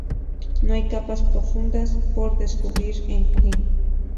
No hay capas profundas por descubrir en "Queen".